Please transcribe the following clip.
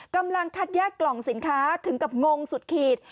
กำลังคัดแยกกล่องสินค้าถึงกับงงสุดขีด